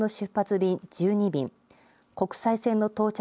便１２便、国際線の到着